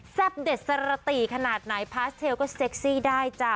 เด็ดสระตีขนาดไหนพาสเทลก็เซ็กซี่ได้จ้ะ